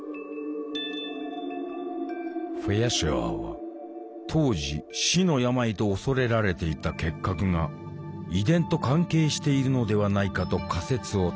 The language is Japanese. フェアシュアーは当時「死の病」と恐れられていた結核が遺伝と関係しているのではないかと仮説を立てた。